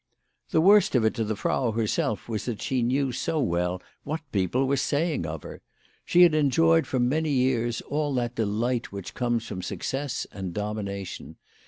The worst of it to the Frau herself was that she knew so well what people were saying of her. She had en joyed for many years all that delight which comes from success and domination.